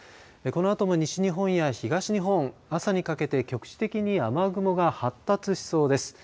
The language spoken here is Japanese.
このあとも西日本や東日本朝にかけて局地的に雨雲が発達しそうです。